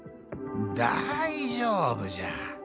「大丈夫じゃ！